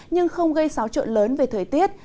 nhưng không gây xáo trộn lớn về thời tiết